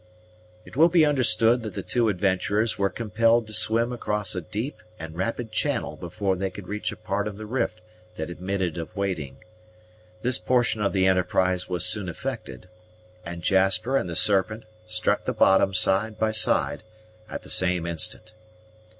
It will be understood that the two adventurers were compelled to swim across a deep and rapid channel before they could reach a part of the rift that admitted of wading. This portion of the enterprise was soon effected; and Jasper and the Serpent struck the bottom side by side at the same instant.